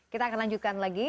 kita akan lanjutkan lagi